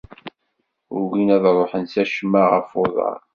Ugin ad ṛuḥen s acemma ɣef uḍar.